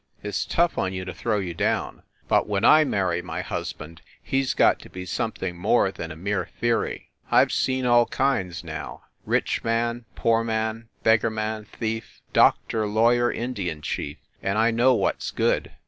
"It s tough on you to throw you down, but when I marry my husband he s got to be something more than a mere theory. I ve seen all kinds, now rich man, poor man, beggar man, thief, doctor, lawyer, Indian chief and I know what s good.